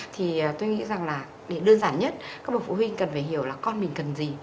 thì tôi nghĩ rằng là để đơn giản nhất các bậc phụ huynh cần phải hiểu là con mình cần gì